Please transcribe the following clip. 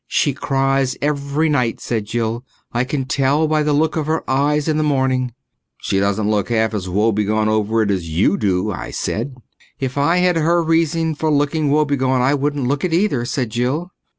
"She cries every night," said Jill. "I can tell by the look of her eyes in the morning." "She doesn't look half as woebegone over it as you do," I said. "If I had her reason for looking woebegone I wouldn't look it either," said Jill.